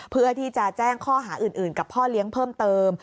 เพื่อที่จะแจ้งข้อหาอื่นกับพ่อเลี้ยงเพิ่มเติม